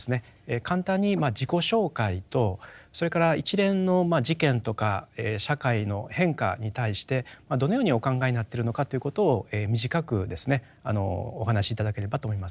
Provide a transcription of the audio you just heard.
簡単に自己紹介とそれから一連の事件とか社会の変化に対してどのようにお考えになってるのかということを短くですねお話し頂ければと思います。